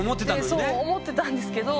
そう思ってたんですけど。